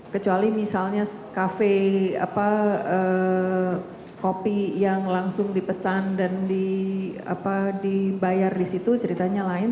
kecuali misalnya kafe kopi yang langsung dipesan dan dibayar di situ ceritanya lain